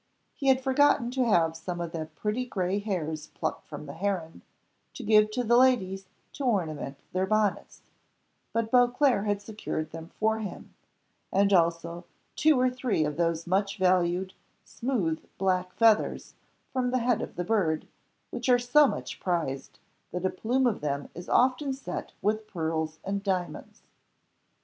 He had forgotten to have some of the pretty grey hairs plucked from the heron, to give to the ladies to ornament their bonnets, but Beauclerc had secured them for him, and also two or three of those much valued, smooth, black feathers, from the head of the bird, which are so much prized that a plume of them is often set with pearls and diamonds.